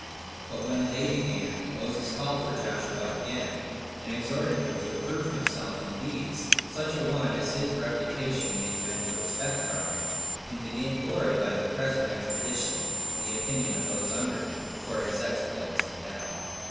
But when the day began, Moses called for Joshua again, and exhorted him to approve himself in deeds such a one as a his reputation made men expect from him; and to gain glory by the present expedition, in the opinion of those under him, for his exploits in this battle.